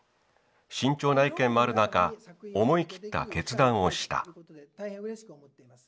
慎重な意見もある中思い切った決断をした。